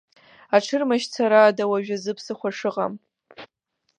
Аҽырмашьцара ада уажә азы ԥсыхәа шыҟам.